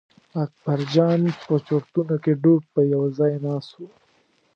اکبرجان په چورتونو کې ډوب په یوه ځای ناست و.